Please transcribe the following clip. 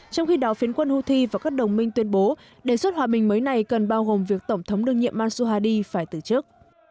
trong khi đó phiến quân houthi và các đồng minh tuyên bố đề xuất hòa bình mới này cần bao gồm việc tổng thống đương nhiệm mansohadi phải từ chức